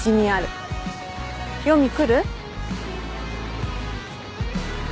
読み来る？